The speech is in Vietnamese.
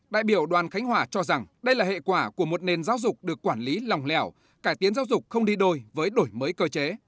đại biểu đoàn khánh hòa cho rằng đây là hệ quả của một nền giáo dục được quản lý lòng lẻo cải tiến giáo dục không đi đôi với đổi mới cơ chế